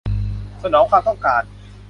สนองความต้องการ